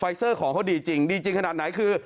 เซอร์ของเขาดีจริงดีจริงขนาดไหนคือ